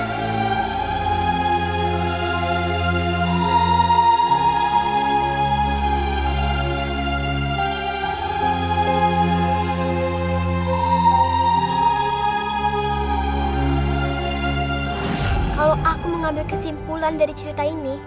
kalau aku mengambil kesimpulan dari cerita ini